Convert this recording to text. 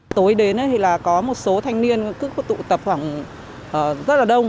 tối đến thì là có một số thanh niên cứ tụ tập khoảng rất là đông